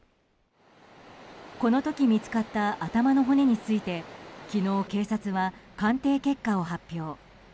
この時見つかった頭の骨について昨日、警察は鑑定結果を発表。